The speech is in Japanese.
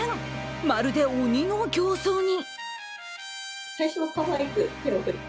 まるで鬼の形相に。